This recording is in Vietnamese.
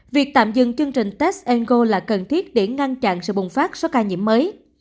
việc tạm dừng chương trình test engo là cần thiết để ngăn chặn sự bùng phát số ca nhiễm mới